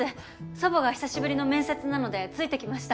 祖母が久しぶりの面接なのでついてきました。